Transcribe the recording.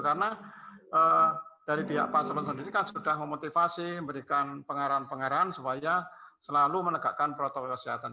karena dari pihak paslon sendiri kan sudah memotivasi memberikan pengarahan pengarahan supaya selalu menegakkan protokol kesehatan